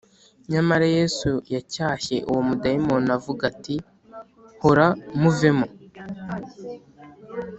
nyamara yesu yacyashye uwo mudayimoni avuga ati: “hora muvemo